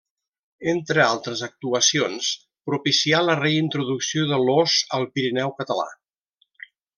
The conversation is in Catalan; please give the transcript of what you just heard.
Entre altres actuacions, propicià la reintroducció de l'ós al Pirineu català.